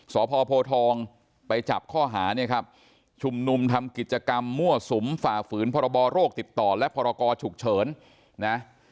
สพโพทองไปจับข้อหาชุมนุมทำกิจกรรมมั่วสุมฝ่าฝืนพบโรคติดต่อและพกฉุกเฉิน